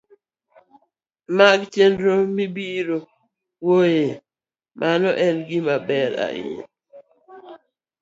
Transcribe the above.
mag chenro ma ibiro wuoye, mano en gimaber ahinya